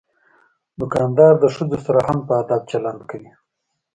دوکاندار د ښځو سره هم په ادب چلند کوي.